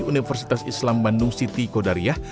universitas islam bandung siti kodariah